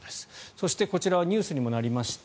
そして、こちらはニュースにもなりました